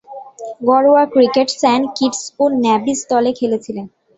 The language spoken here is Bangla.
ঘরোয়া ক্রিকেটে সেন্ট কিটস ও নেভিস দলে খেলছেন।